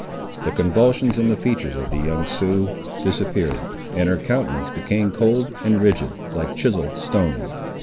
The convulsions in the features of the young Sioux disappeared, and her countenance became cold and rigid, like chiselled stone.